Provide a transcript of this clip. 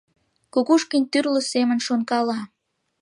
Кукушкин тӱрлӧ семын шонкала.